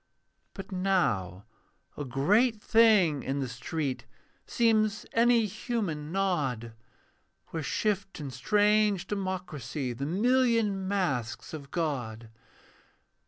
But now a great thing in the street Seems any human nod, Where shift in strange democracy The million masks of God.